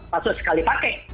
password sekali pakai